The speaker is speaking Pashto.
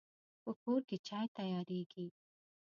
په کور کې چای تیاریږي